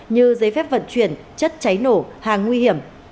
như giấy phép vận chuyển chất cháy nổ hàng nguy hiểm